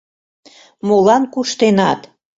Молан куштенат?